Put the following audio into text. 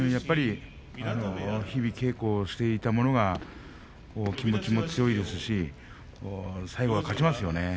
日々、稽古をしていた者が気持ちも強いですし最後は勝ちますよね。